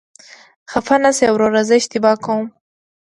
خفه نشې وروره، زه اشتباه شوم.